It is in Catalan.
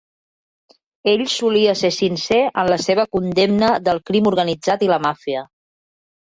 Ell solia ser sincer en la seva condemna del crim organitzat i la màfia.